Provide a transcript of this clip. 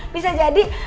bisa jadi kayak gitu